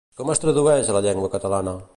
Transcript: Com es tradueix a la llengua catalana?